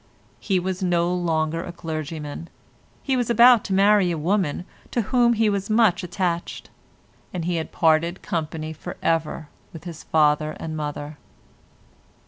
He was no longer a clergyman; he was about to marry a woman to whom he was much attached, and he had parted company for ever with his father and mother.